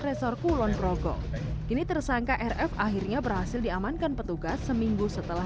resort kulonprogo kini tersangka rf akhirnya berhasil diamankan petugas seminggu setelah